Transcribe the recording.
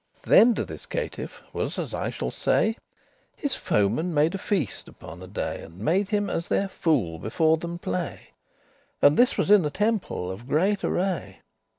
Th'end of this caitiff* was as I shall say; *wretched man His foemen made a feast upon a day, And made him as their fool before them play; And this was in a temple of great array.